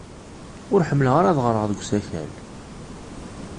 Ur ḥemmleɣ ara ad ɣreɣ deg usakal.